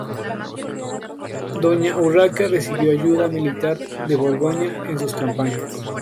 Doña Urraca recibió ayuda militar de Borgoña en sus campañas.